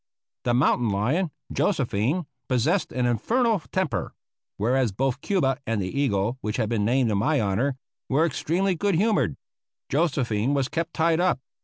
The mountain lion, Josephine, possessed an infernal temper; whereas both Cuba and the eagle, which have been named in my honor, were extremely good humored. Josephine was kept tied up.